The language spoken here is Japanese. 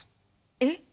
えっ！？